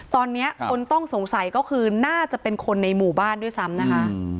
ตอนนี้คนต้องสงสัยก็คือน่าจะเป็นคนในหมู่บ้านด้วยซ้ำนะคะ